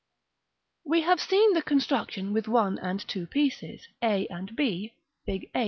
We have seen the construction with one and two pieces: a and b, Fig.